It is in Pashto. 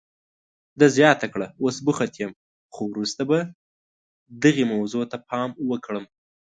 ده زیاته کړه، اوس بوخت یم، خو وروسته به دغې موضوع ته پام وکړم.